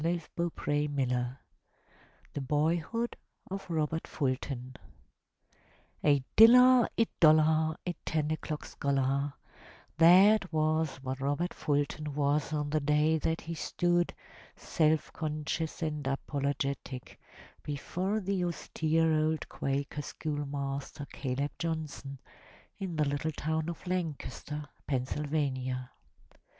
395 MY BOOK HOUSE ^HE BOYHOOD OF ROBERT FULTON dillar, a dollar, a ten o' clock scholar — that was what Robert Fulton was on the day that he stood, self conscious and apologetic, before the austere old Quaker schoolmaster, Caleb Johnson, in the little town of Lancaster, Pennsylvania.